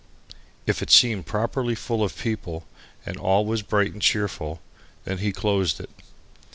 If it seemed properly full of people and all was bright and cheerful, then he closed it.